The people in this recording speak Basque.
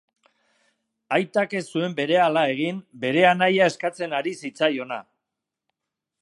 Aitak ez zuen berehala egin bere anaia eskatzen ari zitzaiona.